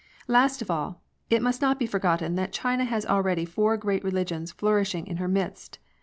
Last of all, it must not be forgotten that China has already four great religions flourishing in her midst.